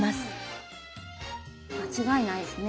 間違いないですね。